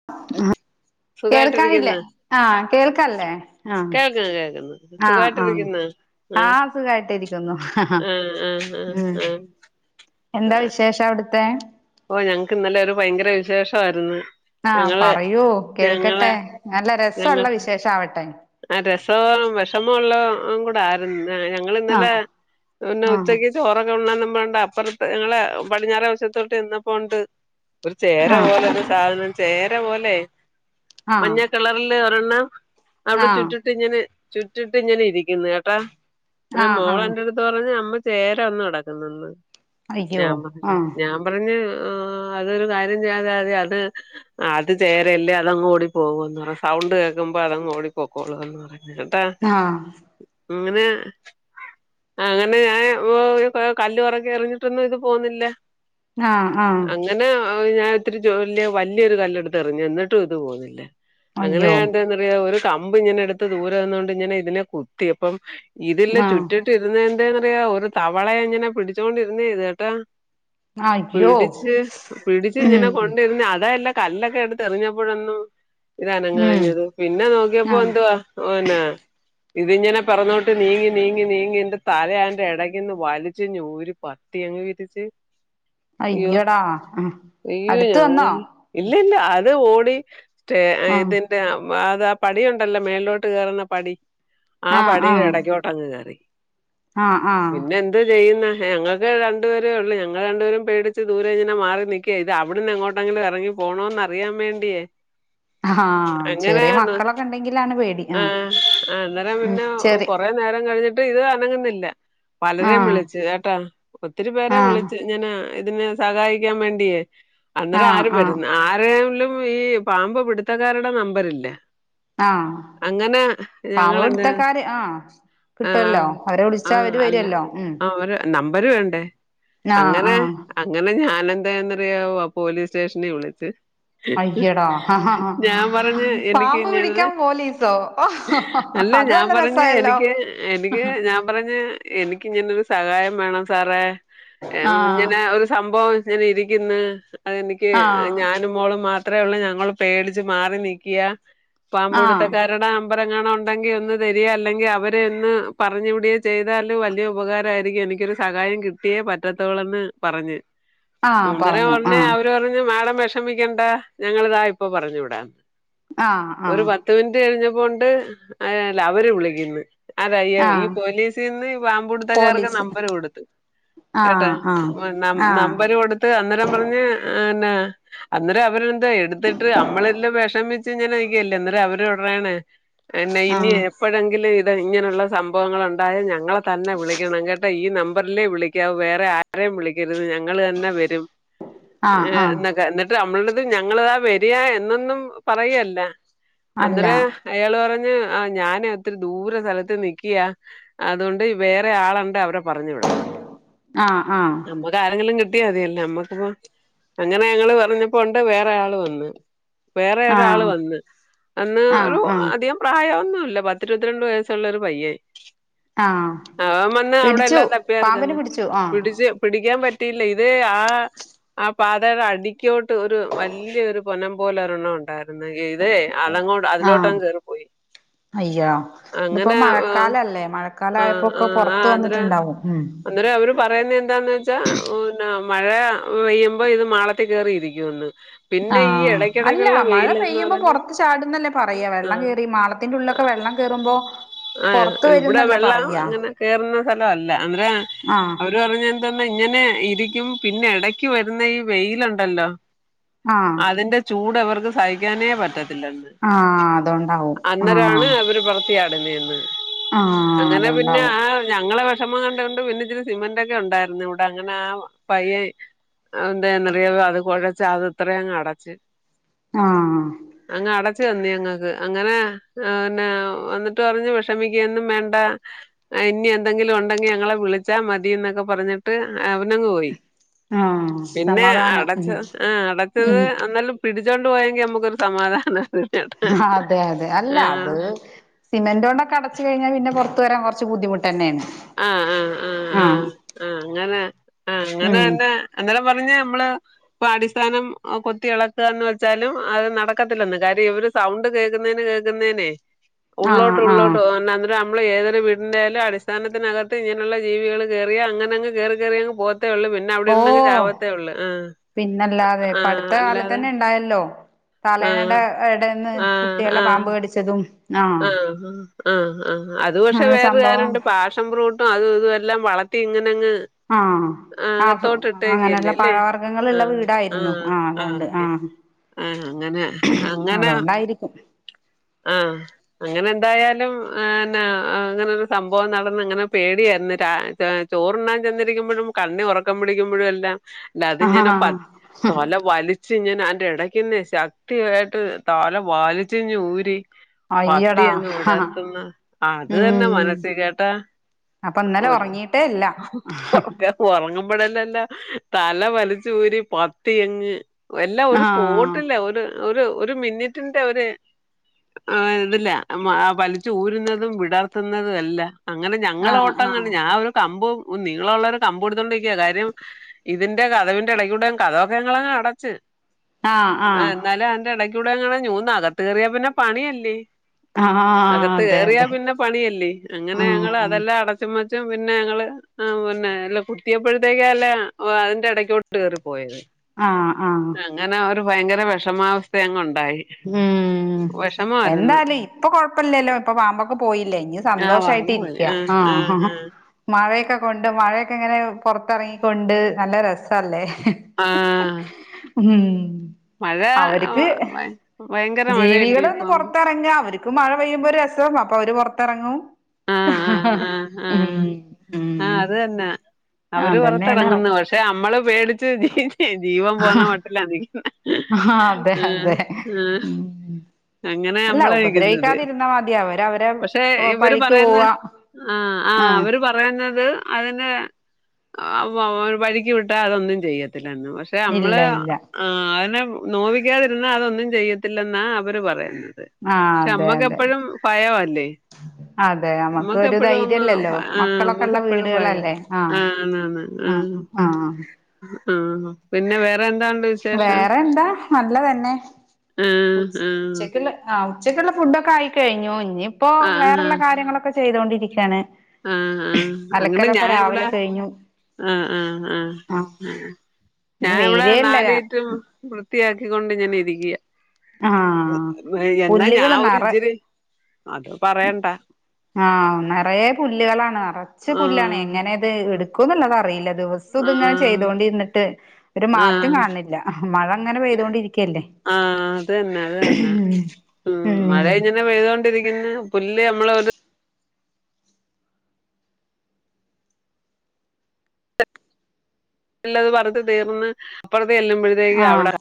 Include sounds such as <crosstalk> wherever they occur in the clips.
<unintelligible> കേൾക്കാനില്ലേ സുഖായിട്ടിരിക്കുന്നു ആഹ് കേൾക്കണ്ല്ലേ ആഹ് കേൾക്കുന്നു കേൾക്കുന്നു ആഹ് ആഹ് സുഖായിട്ടിരിക്കുന്നു ആഹ് സുഖായിട്ടിരിക്കുന്നു ആഹ് ആഹ് ആഹ് ഉം ആഹ് എന്താ വിശേഷം അവിട്ത്തെ ഓഹ് ഞങ്ങക്ക് ഇന്നലെ ഒരു ഭയങ്കര വിശേഷവായിരുന്നു ആഹ് പറയൂ കേൾക്കട്ടെ നല്ല ഞങ്ങ രസൊള്ള വിശേഷ ആവട്ടെ ആ രസോം വിഷമൊള്ളോം കൂ പാറുന്ന ഞങ്ങള് ആഹ ഇന്നലെ പിന്നെ ആഹ ഉച്ചയ്ക്ക് ചോറൊക്കെ ഉണ്ണാന്നപ്പം ഒണ്ടെ അപ്പറത്ത് ഞങ്ങളെ പടിഞ്ഞാറെ വശത്തോട്ട് ചെന്നപ്പോണ്ട് ഒരു ചേര ആഹ പോലൊരു സാധനം ചേര പോലെ ആഹ മഞ്ഞ കളറില് ഒരെണ്ണം അവിടെ ചുറ്റിട്ട് ഇങ്ങനെ ചുറ്റിട്ട് ഇങ്ങനെ ഇരിയ്ക്കുന്നു കേട്ട ആഹ ഒര് ആഹ ആഹ മോളെന്റെടുത്ത് പറഞ്ഞു അമ്മ ചേര വന്നു കെടക്കുന്നെന്ന് അയ്യോ ഞാൻ പറഞ്ഞ് ആഹ ഞാൻ പറഞ്ഞ് അതൊരു കാര്യം ചെയ്യാതെ അതെ അത് അത് ചേരല്ലേ അതങ്ങ് ഓടി പോകൂന്ന് പറ സൗണ്ട് കേക്കുംമ്പോ അതങ്ങ് ഓടി പൊക്കോളൂന്ന് പറഞ്ഞ്‌ എന്നിട്ട് ആഹ അങ്ങനെ അങ്ങനെ ഞാൻ ഇപ്പ ഈ കല്ല് പറുക്കി എറിഞ്ഞിട്ടൊന്നും ഇത് പോന്നില്ല ആഹ് അങ്ങനെ ഞാൻ ഇത്തിരി ജോലി വല്യൊരു കല്ലെടുത്തെറിഞ്ഞ് എന്നിട്ടും ഇത് പോവുന്നില്ല അങ്ങനെ അയ്യോ ഞാൻ എന്താന്നറിയാവോ ഒരു കമ്പിങ്ങനെ എടുത്ത് ദൂര നിന്നോണ്ടിങ്ങനെ ഇതിനെ കുത്തിയപ്പം ഇതില്ല് ആഹ ചുറ്റിട്ട് ഇരുന്നേന്തന്നറിയാവൊ ഒരു തവളെങ്ങനെ പിടിച്ചോണ്ടിരുന്നേന്ന് കേട്ട അയ്യോ പിടിച്ച് പിടിച്ചിങ്ങനെ ഉം കൊണ്ടെരുന്ന അതാ എല്ല കല്ലൊക്കെടുത്തെറിഞ്ഞപ്പഴൊന്നും ഉം ഇതനങ്ങാഞ്ഞത് പിന്നെ നോക്കിയപ്പോ ആഹ എന്തുവാ ഓനാ ഇതിങ്ങനെ പെറന്നോട്ട് നീങ്ങി നീങ്ങി നീങ്ങി അയ്ന്റെ തലന്റെ ഇടയ്ക്ക്ന്ന് വലിച്ച് ഊരി പ ത്തിയങ്ങ് വിരിച്ച് അയ്യോ അയ്യോടാ അയ്യോ അടുത്ത ഞങ്ങള് വന്നോ ഇല്ലില്ല അത് ഓടി റ്റെ ആഹ ഇതിൻ റ്റാം അതാ പടിയൊണ്ടല്ലോ മേൾലോട്ട് കേറുന്ന പടി ആ ആഹ് പടീട ആഹ് എടയ്ക്കോട്ടങ്ങ് കേറി ആഹ് ആഹ് പിന്നെന്ത് എന്ത് ചെയ്യുന്ന ഞങ്ങക്ക് രണ്ടുപേരേ ഒള്ളു ഞ ഞങ്ങൾ രണ്ടുപേരും പേടിച്ച് ദൂരെ ഇങ്ങനെ മാറി നിക്ക്യ ഇതവ്ട്ന്ന് എങ്ങോട്ടെങ്കിലും എറങ്ങി പോണോന്നറിയാൻ വേണ്ടിയേ <inaudible> ഹാ ചെറിയ മക്കളൊക്കിണ്ടെങ്കിലാണ് പേടി ആഹ് അന്നേരം ഉം പിന്നെ ചെറി കൊറേ നേരം കഴിഞ്ഞിട്ട് ഇത് അനങ്ങുന്നില്ല പലരേം ആഹ് വിളിച്ച് കേട്ടാ ഒത്തിരി പേരെ ആഹ് വിളിച്ച് ഇങ്ങന ഇതിന് സഹായിക്കാൻ വേണ്ടിയേ അന്നേരം ആഹ് ആരും ആഹ് വെരുന്ന ആരേലും ഈ പാമ്പ് പിടുത്തക്കാരുടെ നമ്പറില്ല ആഹ് അങ്ങന പാമ്പ് ഞങ്ങളന്നെ പിടുത്തക്കാര് ആഹ് കിട്ടുവല്ലോ ആഹ് അവരെ വിളിച്ചാ ആഹ് അവര് അല്ല വരുവല്ലോ ഉം ആ അവരെ നമ്പര് വേണ്ടേ ആഹ് അങ്ങനെ ആഹ് അങ്ങനെ ഞാനെന്താെന്നറിയാവോ പോലീസ് സ്റ്റേഷനീ വിളിച്ച് അയ്യടാ ഞാൻ പറഞ്ഞ് പാമ്പ് എനിക്കിങ്ങനെ പിടിക്കാൻ പോലീസോ അല്ല അത് ഞാൻ നല്ല പറഞ്ഞ് രസായല്ലോ എനിക്ക് എനിക്ക് ഞാൻ പറഞ്ഞ് എനിക്കിങ്ങനൊരു സഹായം വേണം സാറേ ആഹ് ഇങ്ങനെ ഒരു സംഭവം ഇങ്ങനെ ഇരിക്കുന്ന് അതെനിക്ക് ആഹ് ഞാൻ ഞാനും മോളും മാത്രേ ഒള്ളെ ഞങ്ങൾ പേടിച്ച് മാറി നിക്കാ പാമ്പ് ആഹ് പിടുത്തക്കാരുട നമ്പറെങ്ങാണം ഒണ്ടെങ്കി ഒന്ന് തെരിക അല്ലെങ്കി അവരെ ഒന്ന് പറഞ്ഞ് വിടീ ചെയ്താല് വലൃ ഉപകാരായിരിക്കും എനിക്കൊരു സഹായം കിട്ടിയേ പറ്റത്തോള്ളെന്ന് പറഞ്ഞ് ആഹ് അന്നെരം പറഞ്ഞു ഒടനെ ആഹ് അവര് പറഞ്ഞു മാഡം വെഷ് വെഷ്മിക്കണ്ട ഞങ്ങളിതാ ഇപ്പം പറഞ്ഞു വിടാന്ന് ആഹ് ആഹ് പത്ത് മിനിറ്റ് കഴിഞ്ഞപ്പോണ്ട് അയ ലവര് വിളിക്കുന്ന് അതാ അയ്യൊ ഈ ആഹ് പോലീസീന്ന് ഈ പാമ്പു പിടുത്തക്കാർക്ക് പോലീസ് നമ്പര് കൊട്ത്ത് കേട്ടാ ആഹ് ആഹ് നം നമ്പര് കൊടുത്ത് അന്നെരം പറഞ്ഞ് ആ നാ അന്നെരം അവരെന്തെ എടുത്തിട്ട് നമ്മളെല്ലാം വിഷമിച്ച് ഇങനെ നിക്കല്ലേ അന്നെരം അവര് പറയാണെ പെണ്ണെ ആഹ് ഇനിയെ ആഹ് എപ്പോഴെങ്കിലും ഇത് ഇങ്ങനൊള്ള സംഭവങ്ങളൊണ്ടായ ഞങ്ങള തന്നെ വിളിക്കണം കേട്ടൊ ഈ നമ്പറിലേ വിളിക്കാവുവേറെ നമ്പ ആരെയും വിളിക്കരുത് ഞങ്ങൾ തന്നെ വരും ആഹ് ആഹ് എന്നിട്ട് നമ്മളടത് ഞങ്ങളതാ വരിയാ എന്നൊന്നും പറയല്ല അല്ല അന്നേര അയാള് പറഞ്ഞഞ് ആ ഞാന് ഒത്തിരി ദൂര സ്ഥലത്ത് നിക്കിയാ അതുകൊണ്ട് വേറെ ആളണ്ട് അവരെ പറഞ്ഞു വിടാന് ആ ആ നമുക്ക് ആരെങ്കിലും കിട്ടാ മതിയല്ലേ നമ്മക്കിപ്പ അങ്ങനെ ഞങ്ങള്പറഞ്ഞപ്പോ ഉണ്ട് വേറെ ആള് വന്ന്ു വേറെ ഒരാള് ആഹ് വന്ന് അന്ന് ഒരു ആഹ് ആഹ് അധികം പ്രായമൊന്നുല്ല പത്തിരുപത്തിരണ്ട് വയസ്സുള്ളൊരു പയ്യൻ ആഹ് അവ ൻ വന്ന് അവിടെ പിടിച്ചു എല്ലാം പാമ്പിനെ തപ്പിയാർക്കന്ന് പിടിച്ചു ആഹ് പിടിച്ച് പിടിക്കാൻ പറ്റിയില്ല ഇത് ആ ആ പാതയുടെ അടിക്കോട്ട് ഒരു വലിയൊ ഒരു പൊനം പോലെ ഒരെണ്ണംമുണ്ട് ണ്ടായിന്ന ഇത് അതങ്ങോട്ട് ആഹ് അതിലോട്ടങ്ങ്കേറിപ്പോയി അയ്യോ ഇതിപ്പോ ആ മഴക്കാലല്ലേ ആ മഴക്കാലയപ്പോക്കെ പുറത്ത് വന്നിട്ടുണ്ടാവും ഉ അന്നേ രഅവര് പറയുന്ന എന്താന്ന് വെച്ചാന്ന മഴ പെയ്യുമ്പോ ഇത് മാളത്തി കയറിയിരിക്കുംന്ന് ആഹ അല്ല മഴ പെയ്യുമ്പോ പറഞ്ഞ പുറത്ത് ചാടുന്നല്ലേ പറയാ വെള്ളം ആഹ് കേയറി മാള ളത്തിന്റെ ഉള്ളിലൊക്കെ വെള്ളം കേറുമ്പോ ആ പൊറത്ത് ഇവിടെ വരുന്നല്ലേ വെള്ളം പറയാ അങ്ങനെ കേയറുന്ന സ്ഥലഅല്ല ആഹ് അവടെ പറഞ്ഞ തന്ന ഇങ്ങനെ ഇരിക്കും പിന്നെ ഇടക്ക് വരുന്ന ഈ വെയിലുണ്ടല്ലോ ആഹ് അതിന്റെ ചൂട് അവവർക്ക് സഹിക്കാനേ പറ്റത്തില്ലന്ന് ആ അതൊണ്ടാവും ആ പൊറത്ത് ചാടുന്നന്ന് ആഹ് അങ്ങനെ പിന്നെ അതുകൊണ്ടാവും ആ ഞങ്ങളെ വിഷമം കണ്ട കൊണ്ട് പിന്നെ ഇച്ചിരി സിമെന്റൊക്കെ ഉണ്ടായിരുന്നു ഇവിടെ അങ്ങനെ ആ പയ്യെൻ ന്തനിറിയ വോ അത് കുഴച്ച അത് ഇത്രയും അങ്ങ് അടച്ച് ആഹ അങ്ങ് അടച്ചു തന്നിയ ങ്ങക്ക് അങ്ങനെ പിന്നെ വന്നി ട്ടറിഞ്ഞു വിഷമിക്കുകൊന്നും വേണ്ട ഇനി എന്തെങ്കിലും ഉണ്ടെങ്കി ഞങ്ങളെ വിളിച്ചാ മതി എന്നൊക്കെ പറഞ്ഞിട്ട് അവനങ്ങ് പോയി ആഹ് പിന്നെ സമാധാനം ഉം അടച്ച ആഹ അടച്ചത് ഉം അന്നലും പിടിച്ചുകൊണ്ട് പോയെങ്കിൽ നമുക്കൊരു സമാധാനാണ് അതെ അതെ അല്ല അത് സിമന്റ കൊണ്ടൊക്ക അടച്ചു കഴിഞ്ഞാ പിന്നെ പുറത്തു വരാൻ കുറച്ച് ബുദ്ധിമുട്ട തന്നെയാണ് ആഹ ആഹ ആഹ് ആഹ് ആ അങ്ങനെ ആഹ അങ്ങനെ ഉം എന്ന അങ്ങനെ പറഞ് അമ്മളെ ഇപ്പൊ അടിസ്ഥാനം കൊത്തി ഇളക്കുകന്ന് വെച്ചാലും അത് നടക്കത്തില്ലെന്ന് കാര്യം ഇവര് സൗണ്ട് കേൾക്കുന്നതിന് കേൾക്കുന്നേനെ <unintelligible> ഉള്ളോട്ട് ആഹ് ഉള്ളോട്ട് പോകും അന്നേരം നമ്മള് ഏതൊരു വീടിന്റൊയാലും അടി സംസ്ഥാനത്തിനകത്ത് ഇങ്ങനെയുള്ള ജീവികൾ കയറിയ അങ്ങന അങ്ങ് കറി കയറി അങ്ങ് പോകത്തെ ഉള്ളു പിന്നെ അവിടെ ഓ.... ഇരുന്നങ്ങ് ചാവത്തേ ഉള്ളൂ ആഹ് പിന്നല്ലാതെ ഇപടുത്ത ആഹ് അല്ലാതെ കാലത്തന്നെ ഇണ്ടായല്ലോ ആഹ് തലേയുടെ ഇടെന്ന് കുട്ടികളെപാമ്പ് കടിച്ചതും ആഹ് ആ ആഹ് ആ് അത് പക്ഷെ അങ്ങനെ വേറൊ സംഭവം കര്യണ്ട് പാഷം ബ്രൂട്ട് അതും ഇതും എല്ലാം വളർത്തി ഇങ്ങനെങ്ങ് ആഹ് ആ അങ്ങനെയുള്ള ല്ലേ പഴവർഗ്ഗങ്ങളു ള്ള ആഹ് വീടായിരുന്നു ആ അതുകൊണ്ട് ആഹ ആഹ അങ്ങനെ അങ്ങനെ ആഹ അങ്ങനെ എന്തായാലും ന്ന അങ്ങനെരു സംഭവം നടന്ന് അങ്ങനെ പേടിയായിരുന്നു <unintelligible> ചോറുണ്ണാൻ ചെന്ന് ഇരിക്കുമ്പോഴും കണ്ണ് ഉറക്കം പിടിക്കുമ്പോഴും എല്ലാം <unintelligible> ഞാനപ്പ ആഹ് തോല വാലി <unintelligible> എന്റെ ഇടയ്ക്ക്ന്ന ശക്തിയായിട്ട് താല വാലിച്ച് ഞ്ഞ് ഊരി പത്തി അയ്യടാ അങ്ങ് ഹാ വിടർത്തുന്ന അത് തന്നെ ഉം മനസ്സി കേട്ടാ അപ്പൊ ഇന്നലെ ഉറങ്ങിട്ടേ ഇല്ല ഉറങ്ങുമ്പടല്ലല്ല തല വലിച്ച് ഊരി പത്തി എങ്ങ് എല്ലാം ഒരു ആഹ് സ്പോട്ടില ഒരു ഒരു ഒരു മിനിറ്റിന്റെ ഒരു ആ പലിച്ച ഊരുന്നതും വിടർത്തുന്നതും അല്ല അങ്ങനെ ഞങ്ങള ആഹ് ഓട്ടം അങ്ങനെ ആഹ് ഞാൻ കമ്പും നിങ്ങളുള്ളവരെ കമ്പം എടുത്തോണ്ടിരിക്ക കാര്യം ഇതിന്റെ കഥവിന്റെ ഇടയ്ക്കൂടെ കഥവൊക്കെ ഞങ്ങളെ അടച്ച് ആഹ് ആ ആഹ് എന്നാലും അന്റെ ഇടക്കൂടെ അങ്ങനെ ഞൂന്ന് അകത്ത് കയറിയ പിന്നെ പണിയല്ലേ ആഹ് അകത്ത് അതെ കറിയാ അതെ പിന്നെ പണിയല്ലേ അങ്ങനെ ഞങ്ങൾ ഉം അതെല്ലാം അടച്ചമ്മച്ചും പിന്നെ ഞങ്ങള് ആ പിന്നെ അല്ല കുത്തിയപ്പോഴത്തേക്ക അല്ല അതിന്റെ ഇടക്കോട്ട് കേയറി പോയത് ആഹ ആഹ അങ്ങനെ ഒരു ഭയങ്കര വിഷമാവസ്ഥ അങ്ങ് ഉണ്ടായി ഉം വിഷമായിരുന്നു എന്താലും ഇപ്പൊ കൊഴപ്പില്ലല്ലോ ഇപ്പൊ പാമ്പൊക്ക് പോയില്ല ഇ സന്തോഷായിട്ട് ഇരിക്കയാ ആഹ് മഴയൊക്കെ കൊണ്ട് മഴയൊക്കെ ഇങ്ങനെ പുറത്തിറങ്ങിക്കൊണ്ട് നല്ല രസല്ലേ ആഹ് മം മഴ <unintelligible> ജീവികള മഴയല്ലേ ഒന്ന് ഇപ്പം പുറത്തിറങ്ങ അവർക്ക് മഴ പെയ്യുമ്പോ രസം അപ്പൊ അവര് പുറത്തിറങ്ങും ആഹ് ആഹ് ആഹ് ഉം ആഹ് ആഹ് ഉം അത് ആ അതന്നെയാണ് നമ്മളെ പേടിച്ചു ജീ ജീവൻ പോന്ന മട്ടില്ലിക്ക ആഹ് അതെ മം അതെ മം ഉം അങ്ങനെ അല്ല നമ്മള ഇരിക്കുന്നത് ഉപദ്രവിക്കാതിരുന്നാ മതി അവര് അവരെ പക്ഷെ ഇവര് പഴിക്ക് പറയുന്ന പോവാ ആഹ് ആഹ് അവർ അവര് പറയുന്നത് അതിനെ വഴിക്ക് വിട്ടാ അതൊന്നും ചെയ്യത്തില്ലന്ന് പക്ഷ പക്ഷെ ഇല്ല നമ്മള് ഇല്ല ആ അതിനെ നോവിക്കാതിരുന്ന അതൊന്നും ചെയ്യത്തില്ലെന്നാണ് അവര് പറയുന്നത് ആഹ് പക്ഷെ അതെ നമ്മക്ക് അതെ എപ്പഴും ഭയവല്ലേ അതെ നമുക്ക് നമ്മക്ക് ഒരു എപ്പഴും അങ്ങ് ധൈര്യല്ലല്ലോ ആ മക്കളൊക്കെ നമ്മക്ക് ഉള്ള എപ്പഴും ഭയ വീടുകളല്ലേ ആഹ ആ ആഹ് ആഹ് ആഹ് പിന്നെ വേറെ എന്താണ്ട് വിശേഷം വേറെ എന്താ നല്ലതന്നെ ആ ആ ഉച്ചക്ക് ഉച്ചയ്ക്കുള്ള ഫുഡ്ക്കെ ആയിക്കഴിഞ്ഞു ഇനിയിപ്പോ ആ വേറെ ഉള്ള കാര്യങ്ങളൊക്കെ ചെയ്തോണ്ടിരിക്കുവയാണ് ആഹ് ആഹ് അങ്ങനെ ഞാ ഇവിടെ കഴിഞ്ഞു ആ ആഹ് ആഹ് ആ ഇന്ന് ഞാൻ ഇവിടെ വെയിലേല്ല നാല് റ്റം വൃത്തിയാക്കിക്കൊണ്ട് ഞാൻ ഇരിക്കുക ആ എന്നാ ഞാൻ പുല്ലുകള് ഒരു നറ ഇചിരി അത് പറയണ്ട ആഹ നിറയ പുല്ലുകളാണ് നിറച്ച ആ പുല്ലാണ് എങ്ങനെയ അത് എടുക്കും എന്നുള്ളത അറിയില്ല ദിവസം ആ ഇങ്ങനെ ചെയ്തോണ്ടി ഇരിട്ട് ഒരു ആ മാറ്റം കാണുന്നില്ല മഴ ഇങ്ങനെ പെയ്തുകൊണ്ടിരിക്കയല്ലേ ആഹ് അത് ന്നെ അത് തന്നെ ഉം മഴയ്ഞ് പെയ്തൊണ്ടിരിക്കുന്ന് പുല്ല് ഞമ്മള ഒര് അല്ലത് പറിച്ച് തീർന്ന് അപ്പുറത്ത് എല്ലുമ്പോഴത്തേക്ക് ആ അവടെ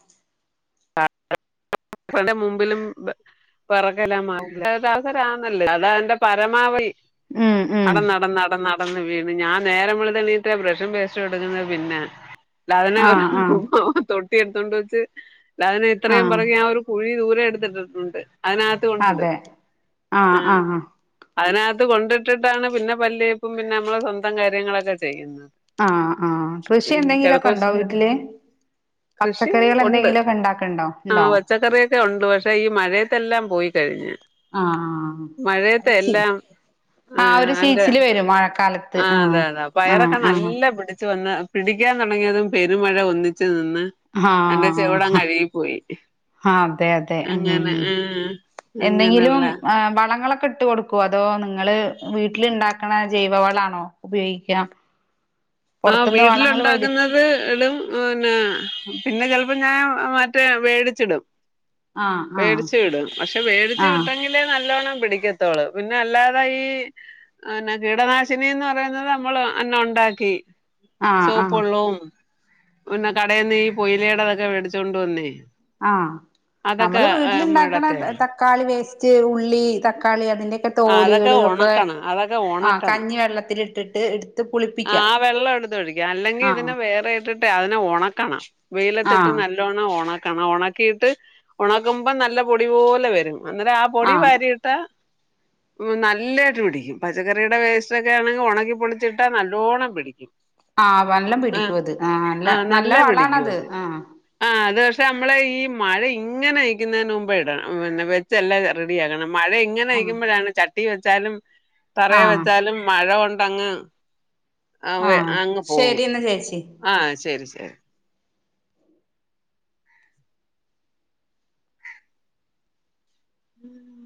<inaudible> <unintelligible> മുമ്പിലും ബേ പറക്കല <unintelligible> <unintelligible> അതാ അന്റെ പരമാവധി. ഉം ഉം അടന്ന ന്നട ന്നട ന്ന കന്ന് വീണ് ഞാൻ നേരം വൾത്ത് എണീറ്റ ബ്രേഷും പേസ്റ്റും എടുക്കുന്നത് പിന്നെ. ലാദനെ ആ ആ തൊട്ടി എട്ത്തോണ്ട് വെച്ച് ലാദനെ ഇത്രയും പറഞ്ഞി ഞാ ആ ഒരു. കുഴി ദൂരെ എടുത്തിട്ടിട്ടുണ്ട് അതിനകത്ത് കൊണ്ടിടും അതെ ആഹ്. അതിനകത്ത് കൊണ്ടിട്ടിട്ടാണ് പിന്നെ പല്ലേപ്പും പിന്നെ നമ്മള സ്വന്തം കാര്യങ്ങളൊക്കെ ചെയ്യുന്നത്. ആഹ് ആഹ്, കൃഷി ഉം കിഴക്കോശ എന്തെങ്കിലൊക്കെണ്ടോ വീട്ടില്? കൃഷി പച്ചക്കറികൾ ഉണ്ട് എന്തെങ്കിലു ഒക്കെ ണ്ടാക്ക്ണ്ടോ ആഹ് ണ്ടോ? പച്ചക്കറിയൊക്കെ ഒണ്ട് പക്ഷെ ഈ മഴയത്തെല്ലാം പോയി കഴിഞ്ഞ്. ആഹ് മഴയത്തെ അത് ചി എല്ലാം. ആ ആഹ് ഒരു അതെ ചീച്ചില് വരും മഴക്കാലത്ത് ആഹ് അതെ അതെ ആഹ് പയറൊക്കെ ആഹ് നല്ല പിടിച്ചു വന്ന് പിടിക്കാൻ തൊടങ്ങിയതും പെരുമഴ ഒന്നിച്ചു നിന്ന് എന്റെ ചെവിടങ് ആഹ് അഴുകിപ്പോയി. ആഹ് അതെ അതെ ഉം എന്തെങ്കിലും അങ്ങനെയുള്ള വളങ്ങളൊക്കെ ഇട്ട് കൊടു അതോ നിങ്ങള് വീട്ടില് ണ്ടാക്കണ ജൈവവളാണോ ഉപയോഗികാ? ആഹ് വീട്ടിലുണ്ടകുന്നത് എടും. ന്നെ പിന്നെ ചെൽപ്പോ ഞാൻ മറ്റേ മേടിച്ചിടും. ആഹ് ആഹ് പേടിച്ചു വിടും പക്ഷെ മേടിച്ചു ആഹ് വിട്ടെങ്കി നല്ലോണം പിടിക്കത്തോളു പിന്നെ അല്ലാതെ ഈ പിന്നെ കീടനാശിനീന്ന് പറയുന്നത് നമ്മള് അന്ന് ഉണ്ടാക്കി. ആഹ് ആഹ് സോപ്പ്ള്ളും പിന്നെ കടയിൽന്ന് ഈ പുയിലയുടെതൊക്കെ മേടിച്ചോണ്ട് വന്നേ. ആഹ് അതൊക്കെ നമ്മള് വീട്ടില്ണ്ടാക്കണ ഇടത്തേ ഉള്ളൂ ച ക്കാളി വേസ്റ്റ് ഉള്ളി തക്കാളി അതിന്റെക്കെ ആ അതൊക്കെ തോലുകള് ഒക്കെ ഉണക്കണം അതൊക്കെ ആഹ് ഉണക്കണം കഞ്ഞിവെള്ളത്തില് ഇട്ടിട്ട് ആഹ് വെള്ളം എടുത്തൊഴിക്കാ അല്ലെങ്കി ആഹ് ഇതിനെ വേറെ ഇട്ടിട്ട് അതിനെ ഒണക്കണം വെയിലത്തിട്ട് ആഹ് നല്ല കണ ഒണക്കണം ഒണക്കീട്ട് ഒണക്കുമ്പോ നല്ല പൊടി പോലെ വരും അന്നേരാ ആ പൊടി ആഹ് വാരി നല്ലായിട്ട് പിടിക്കും പച്ചക്കറിയുടെ വേസ്റ്റ് ഒക്കെ ആണെങ്കി ഒണക്കി പൊളിച്ച് ട്ട നല്ലോണം പിടിക്കും. ആഹ് വല്ലം ആ പിടിക്കും അത് ആഹ് ന്നല്ല ന്നല്ല വളാണത് ആഹ്. ആഹ് അത് പക്ഷെ നമ്മള് ഈ മഴ ഇങ്ങനെ ആയിക്കുന്നേന് മുമ്പ് ഇടണം പിന്നെ വെച്ചെല്ലാം റെഡിയാ ആക്കണം മഴ ഇ ഇങ്ങനെ ആഹ് കഴിക്കുമ്പോഴാണ് ചട്ടി വെച്ചാലും തറേ ആഹ് വെച്ചാലും മഴ കൊണ്ടങ്ങ് അവേ അങ്ങ് പോവും. ന്ന <unintelligible> ആഹ് ശരി ശരി. ഉം.